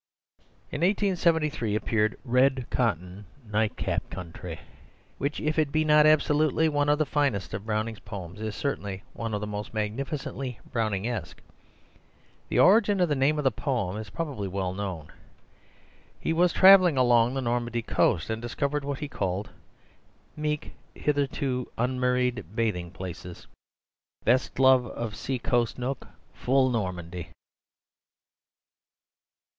In 1873 appeared Red Cotton Night Cap Country, which, if it be not absolutely one of the finest of Browning's poems, is certainly one of the most magnificently Browningesque. The origin of the name of the poem is probably well known. He was travelling along the Normandy coast, and discovered what he called "Meek, hitherto un Murrayed bathing places, Best loved of sea coast nook full Normandy!"